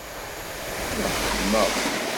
La xeddemeɣ.